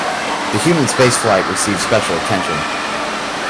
The human spaceflight received special attention.